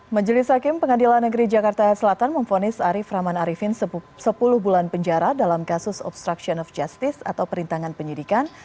majelis hakim pengadilan negeri jakarta selatan memfonis arief rahman arifin sepuluh bulan penjara dalam kasus obstruction of justice atau perintangan penyidikan